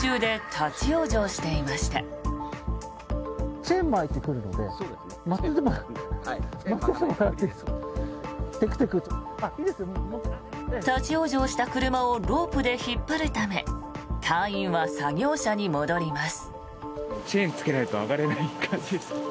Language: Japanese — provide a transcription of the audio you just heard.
立ち往生した車をロープで引っ張るため隊員は作業車に戻ります。